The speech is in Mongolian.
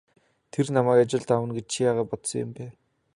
Тэр намайг ажилд авна гэж чи яагаад бодсон юм бэ?